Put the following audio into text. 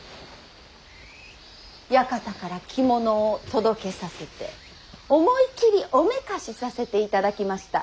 館から着物を届けさせて思い切りおめかしさせていただきました。